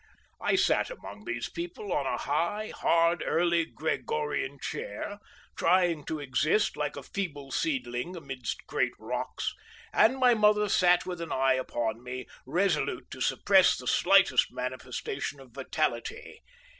I sat among these people on a high, hard, early Gregorian chair, trying to exist, like a feeble seedling amidst great rocks, and my mother sat with an eye upon me, resolute to suppress the slightest manifestation of vitality.